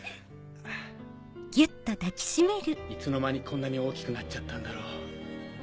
いつの間にこんなに大きくなっちゃったんだろう。